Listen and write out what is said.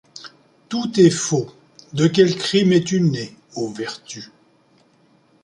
Tout est faux ; de quel crime es-tu née, ô vertu ?